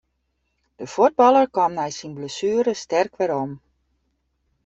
De fuotballer kaam nei syn blessuere sterk werom.